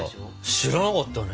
知らなかったね。